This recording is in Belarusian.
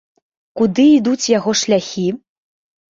Куды ідуць яго шляхі?